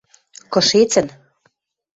– Кышецӹн...